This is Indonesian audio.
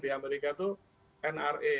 di amerika itu nra